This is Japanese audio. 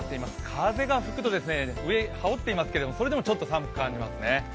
風が吹くと上羽織ってますけどそれでも寒く感じますね